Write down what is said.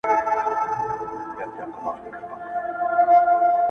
د رنځونو ورته مخ صورت پمن سو!.